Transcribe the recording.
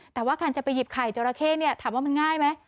แต่ว่าการจะไปหยิบไข่จราเข้เนี่ยถามว่ามันง่ายไหม